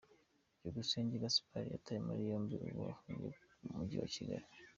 Byukusenge Gaspard yatawe muri yombi, ubu afungiye mu Mujyi wa Kigali.